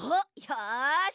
よし。